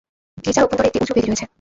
গির্জার অভ্যন্তরে একটি উচু বেদি রয়েছে।